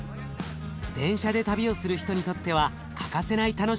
電車で旅をする人にとっては欠かせない楽しみです。